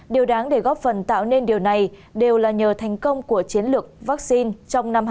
điều đáng để góp phần tạo nên điều này đều là nhờ thành công của chiến lược vaccine trong năm hai nghìn hai mươi